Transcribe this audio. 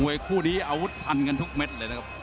คู่นี้อาวุธพันกันทุกเม็ดเลยนะครับ